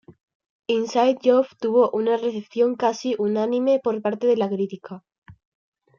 Inside Job tuvo una recepción casi unánime por parte de la crítica.